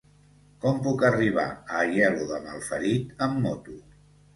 Com puc arribar a Aielo de Malferit amb moto?